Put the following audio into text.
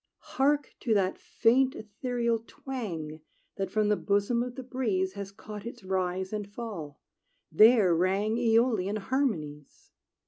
Hark to that faint, ethereal twang That from the bosom of the breeze Has caught its rise and fall: there rang Æolian harmonies!